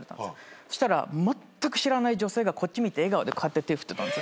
そしたらまったく知らない女性がこっち見て笑顔でこうやって手振ってたんですよ。